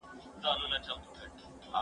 مړۍ وخوره؟!